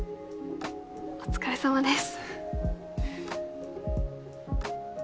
お疲れさまです。